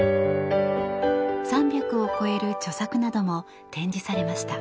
３００を超える著作なども展示されました。